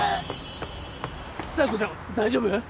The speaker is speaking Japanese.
佐弥子ちゃん大丈夫？